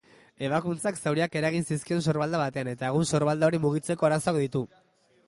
Ebakuntzak zauriak eragin zizkion sorbalda batean eta egun sorbalda hori mugitzeko arazoak ditu.